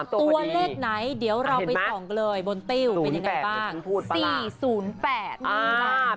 ตัวเลขไหนเดี๋ยวเราไปส่องกันเลยบนติ้วเป็นยังไงบ้าง๔๐๘